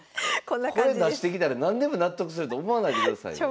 これ出してきたら何でも納得すると思わないでくださいよ。